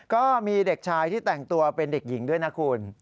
ก็มีเด็กชายที่แต่งตัวเป็นเด็กหญิงด้วยนะคุณ